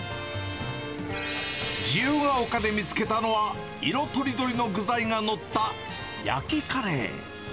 自由が丘で見つけたのは、色とりどりの具材が載った焼きカレー。